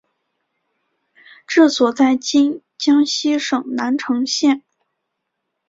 治所在今江西省南城县。